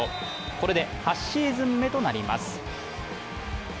これで８シーズン目となります。